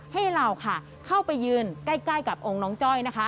ให้เราค่ะเข้าไปยืนใกล้กับองค์น้องจ้อยนะคะ